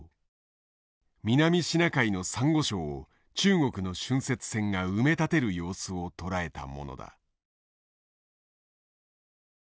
南シナ海のサンゴ礁を中国の浚渫船が埋め立てる様子を捉えたものだ。